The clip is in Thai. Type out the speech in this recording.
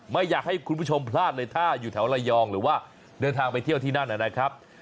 ไม่อยากให้คุณผู้ชมพลาดเลยถ้าอยู่แถวระยองหรือว่าเดินทางไปเที่ยวที่นั่นนะครับ